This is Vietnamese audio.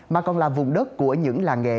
mà còn là vùng đất của những làng nghề